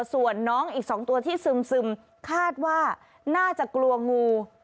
ส่วนน้องอีก๒ตัวที่ซึมคาดว่าน่าจะกลัวงู